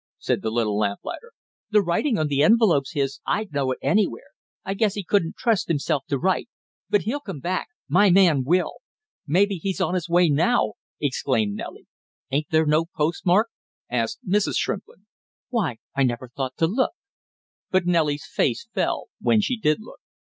said the little lamplighter. "The writing on the envelope's his, I'd know it anywhere. I guess he couldn't trust himself to write; but he'll come back, my man will! Maybe he's on his way now!" exclaimed Nellie. "Ain't there no postmark?" asked Mrs. Shrimplin. "Why, I never thought to look!" But Nellie's face fell when she did look.